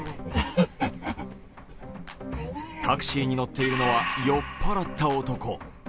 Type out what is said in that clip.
タクシーに乗っているのは酔っ払った男。